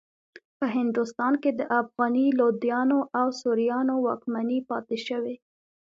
په هندوستان کې د افغاني لودیانو او سوریانو واکمنۍ پاتې شوې.